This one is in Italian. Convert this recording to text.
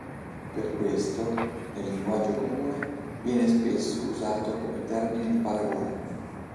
Per questo, nel linguaggio comune, viene spesso usato come termine di paragone.